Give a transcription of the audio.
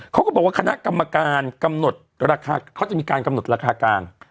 เขาก็บอกว่าคณะกรรมการกำหนดราคาเขาจะมีการกำหนดราคากลาง